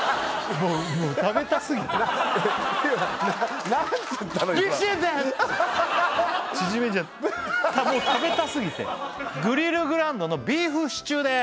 もう食べたすぎてグリルグランドのビーフシチューです！